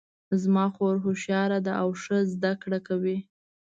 زما خور هوښیاره ده او ښه زده کړه کوي